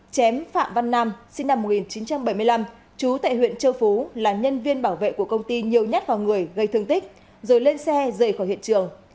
chém phạm văn nam sinh năm một nghìn chín trăm bảy mươi năm chú tại huyện châu phú là nhân viên bảo vệ của công ty nhiều nhát vào người gây thương tích rồi lên xe rời khỏi hiện trường